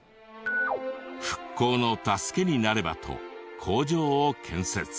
復興の助けになればと工場を建設。